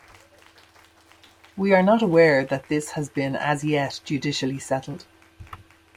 We are not aware that this has been as yet judicially settled.